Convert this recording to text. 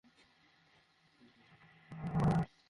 একই সাথে সে একজন ধর্মপ্রচারকও বটে।